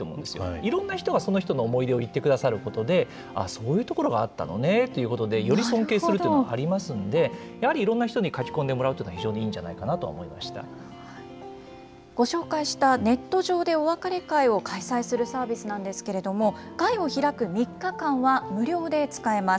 いろんな人がその人の思い出を言ってくださることで、ああ、そういうところがあったのねということで、より尊敬するというのがありますので、やはり、いろんな人に書き込んでもらうというのは、非常にいいんじゃないかなと思いご紹介した、ネット上でお別れ会を開催するサービスなんですけれども、会を開く３日間は無料で使えます。